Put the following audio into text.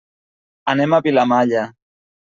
Anem a Vilamalla.